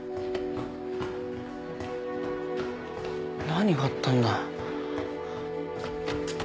何があったんだ。